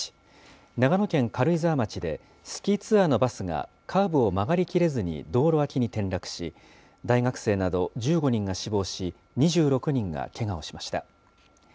長野県軽井沢町でスキーツアーのバスがカーブを曲がり切れずに道路脇に転落し、大学生など１５人が死亡し、２６人がけがをしました。